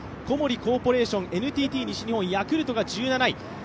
小森コーポレーション、ＮＴＴ西日本、ヤクルトが１７位。